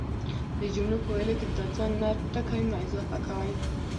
د جملو په ويلو کی دا ځان نه ټکي مه اضافه کوئ،